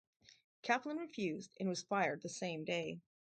Kaplan refused, and was fired the same day.